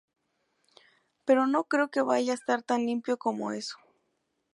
Pero no creo que vaya a estar tan limpio como eso.